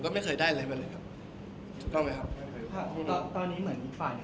เขาก็อ้างว่าเขาเป็นผู้ถูกกระทั้งเหมือนกันอะไรอย่างนี้